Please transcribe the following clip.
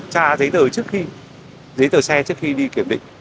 một tra giấy tờ xe trước khi đi kiểm định